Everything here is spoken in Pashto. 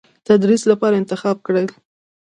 تدریس لپاره انتخاب کړل.